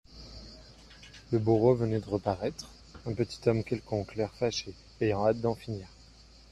Le bourreau venait de reparaître, un petit homme quelconque, l'air fâché, ayant hâte d'en finir.